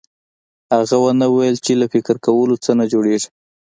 هغه ونه ويل چې له فکر کولو څه نه جوړېږي.